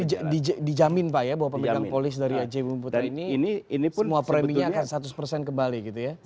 jadi dijamin pak ya pemegang polis dari ajb bumi putra ini semua preminya akan seratus persen kembali gitu ya